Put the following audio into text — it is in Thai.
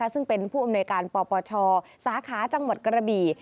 ซึ่งเป็นผู้อำนวยการปปชสาขาจังหวัดกระบี่